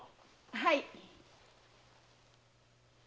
はい。